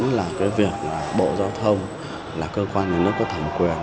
chính là cái việc bộ giao thông là cơ quan nhà nước có thẩm quyền